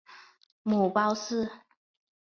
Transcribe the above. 母包氏。